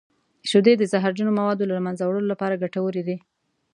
شیدې د زهرجن موادو د له منځه وړلو لپاره ګټورې دي.